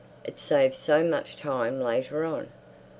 It saves so much time later on.